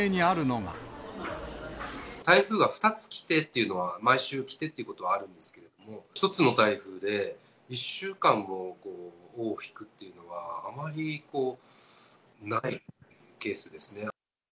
台風が２つ来てっていうのは、毎週来てってことはあるんですけども、１つの台風で、１週間も尾を引くっていうのは、あまりないケースですね。